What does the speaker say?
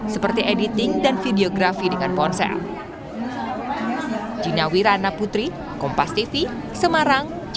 seperti editing dan videografi dengan ponsel